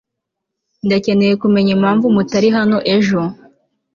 ndacyakeneye kumenya impamvu mutari hano ejo